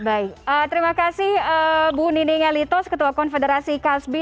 baik terima kasih bu nini ngelitos ketua konfederasi kasbi